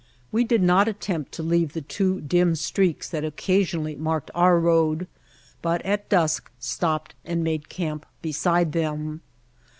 We did not attempt to leave the two dim streaks that occasionally marked our road, but at dusk stopped and made camp beside them.